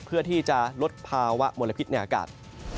เพื่อที่จะลดภาวะมลพิษในอากาศ